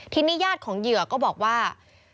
ทีนี้ญาติของเหยื่อก็บอกว่า